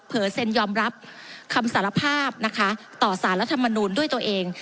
เซ็นยอมรับคำสารภาพนะคะต่อสารรัฐมนูลด้วยตัวเอง